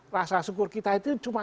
rasa syukur kita itu cuma